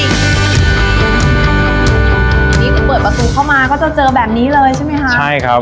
นี่คือเปิดประตูเข้ามาก็จะเจอแบบนี้เลยใช่ไหมคะใช่ครับ